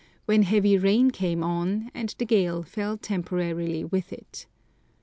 when heavy rain came on, and the gale fell temporarily with it.